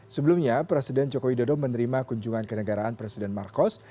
sebelumnya presiden jokowi dodo menerima kunjungan kenegaraan presiden marcos